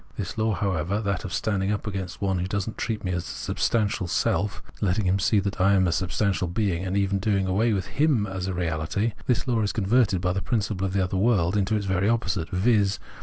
This law, however — that of standing up against one who Understanding 153 does not treat me as a substantial self, letting him see that I am a substantial being, and even doing away with him as a reahty— this law is converted, by the principle of the other world, into the very opposite, viz.